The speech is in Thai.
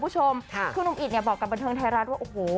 หนุ่มอิดบอกกับบรรทางไทยรัฐว่า